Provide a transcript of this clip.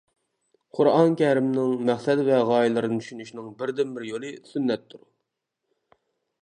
قۇرئان كەرىمنىڭ مەقسەت ۋە غايىلىرىنى چۈشىنىشنىڭ بىردىنبىر يولى سۈننەتتۇر.